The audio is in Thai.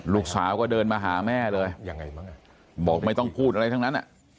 ลูกสาวก็เดินมาหาแม่เลยยังไงบ้างบอกไม่ต้องพูดอะไรทั้งนั้น